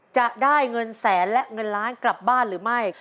จะได้เงินแสนและเงินล้านกลับบ้านหรือไม่